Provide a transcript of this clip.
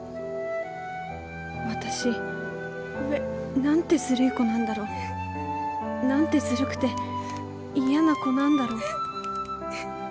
私なんて狡い子なんだろう。なんて狡くて嫌な子なんだろう